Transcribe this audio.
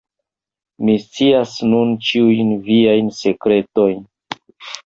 Mi scias nun ĉiujn viajn sekretojn.